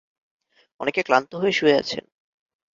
অনেকে ক্লান্ত হয়ে শুয়ে আছেন।